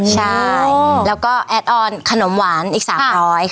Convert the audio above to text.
ใช่แล้วก็แอดออนขนมหวานอีก๓๐๐บาท